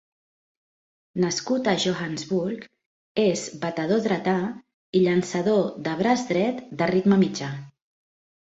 Nascut a Johannesburg, és batedor dretà i llançador de braç dret de ritme mitjà.